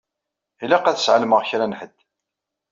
Ilaq ad sɛelmeɣ kra n ḥedd.